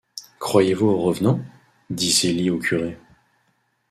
Croyez-vous aux revenants? dit Zélie au curé.